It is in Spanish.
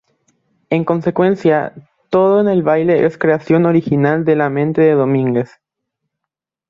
En consecuencia, todo en el baile es creación original de la mente de Domínguez.